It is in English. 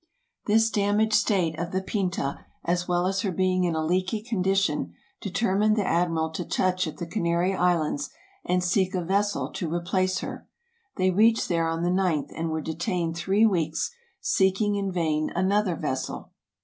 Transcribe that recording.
This damaged state of the "Pinta" as well as her being in a leaky condition, determined the admiral to touch at the Canary Islands and seek a vessel to replace her. They reached there on the ninth and were detained three weeks, seeking in vain another vessel.